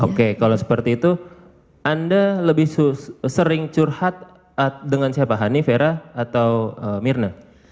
oke kalau seperti itu anda lebih sering curhat dengan siapa hani vera atau mirna